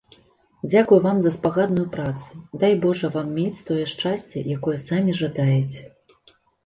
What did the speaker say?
Дзякую вам за спагадную працу, дай божа вам мець тое шчасце, якое самі жадаеце.